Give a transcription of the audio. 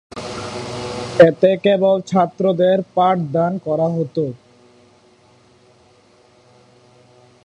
এতে কেবল ছাত্রদের পাঠদান করা হত।